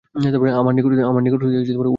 আমার নিকট হইতে উহা চলিয়া গেল।